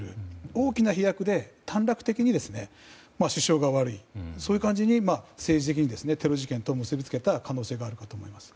大きな飛躍で短絡的に首相が悪いそういう感じに、政治的にテロ事件と結び付けた可能性があると思います。